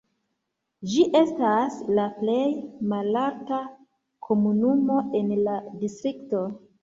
Ĝi estas la plej malalta komunumo en la distrikto.